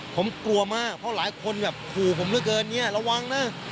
ผมกลัวมากเพราะหลายคนแบบขู่ผมเหลือเกินเนี่ยระวังนะ